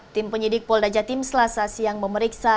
tim penyidik polda jatim selasa siang memeriksa